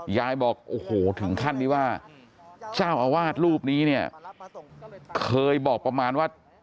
ยายบอกโอ้โหถึงขั้นที่ว่าเจ้าอาวาสรูปนี้เนี่ยเคยบอกประมาณว่า